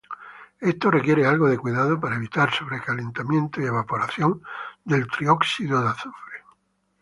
Esto requiere algo de cuidado para evitar sobrecalentamiento y evaporación del trióxido de azufre.